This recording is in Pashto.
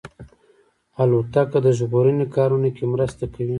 الوتکه د ژغورنې کارونو کې مرسته کوي.